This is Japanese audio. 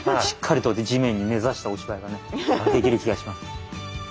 しっかりと地面に根ざしたお芝居がねできる気がします。